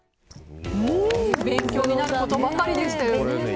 勉強になることばかりでしたね。